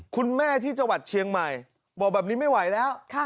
คุณแม่ที่จังหวัดเชียงใหม่บอกแบบนี้ไม่ไหวแล้ว